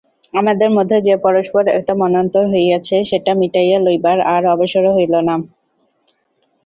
আমাদের মধ্যে যে পরস্পর একটা মনান্তর হইয়াছে সেটা মিটাইয়া লইবার আর অবসরও হইল না।